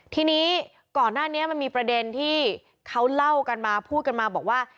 ทีนี้ก่อนหน้านี้มันมีประเด็นที่เขาเล่ากันมาพูดกันมาบอกว่า